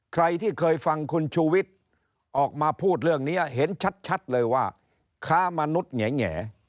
ใครที่เคยฟังคุณชูวิทย์ออกมาพูดเรื่องนี้เห็นชัดเลยว่าค้ามนุษย์แหง